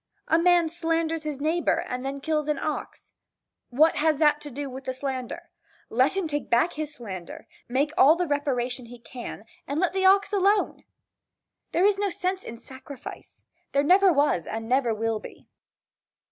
A man slanders his neighbor and then kills an ox. What has that to do with the slander. Let him take back his slander, make all the reparation that he can, and let the ox alone. There is no sense in sacrifice, never was and never will be.